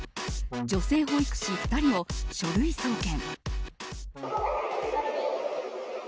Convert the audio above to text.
女性保育士２人を書類送検。